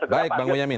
baik bang uyamin